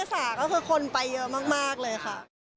ฟังเสียงได้ค่ะ